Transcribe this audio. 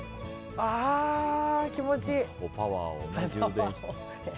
気持ちいい。